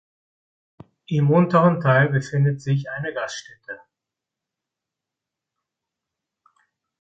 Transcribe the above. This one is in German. Im unteren Teil befindet sich eine Gaststätte.